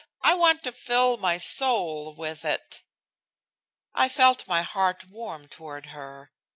I want to fill my soul with it." I felt my heart warm toward her.